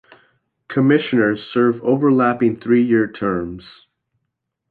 Commissioners serve overlapping three-year terms.